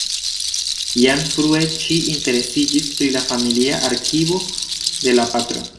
Jam frue ŝi interesiĝis pri la familia arkivo de la patro.